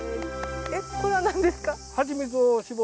これは何ですか？